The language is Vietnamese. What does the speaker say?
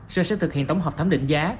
sở sẽ thực hiện tổng hợp thám định giá